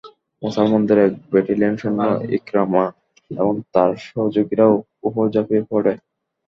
মুসলমানদের এক ব্যাটালিয়ন সৈন্য ইকরামা এবং তার সহযোগীদের উপর ঝাঁপিয়ে পড়ে।